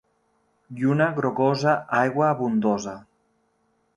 Lluna grogosa, aigua abundosa.